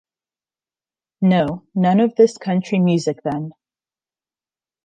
No, none of this country music then.